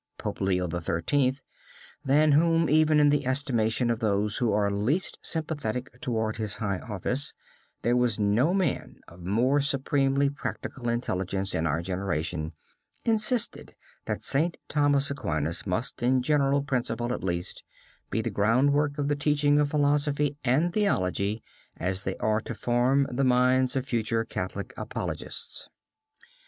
Pope Leo XIII., than whom, even in the estimation of those who are least sympathetic toward his high office, there was no man of more supremely practical intelligence in our generation, insisted that St. Thomas Aquinas must in general principle at least, be the groundwork of the teaching of philosophy and theology as they are to form the minds of future Catholic apologists.